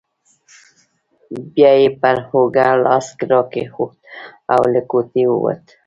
بیا یې پر اوږه لاس راکښېښود او له کوټې ووت.